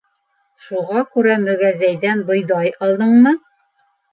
— Шуға күрә мөгәзәйҙән бойҙай алдыңмы?